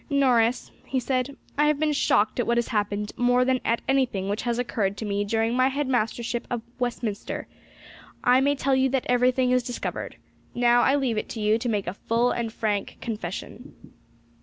"Norris," he said, "I have been shocked at what has happened more than at anything which has occurred to me during my head mastership of Westminster. I may tell you that everything is discovered. Now I leave it to you to make a full and frank confession."